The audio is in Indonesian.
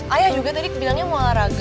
ayah juga tadi bilangnya mau olahraga